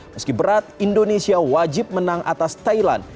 meski berat indonesia wajib menang atas thailand